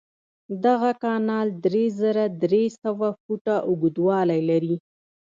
دغه کانال درې زره درې سوه فوټه اوږدوالی لري.